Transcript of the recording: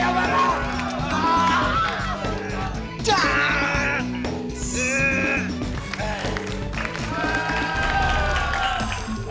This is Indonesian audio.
ya ga ada apa apa